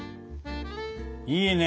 いいね。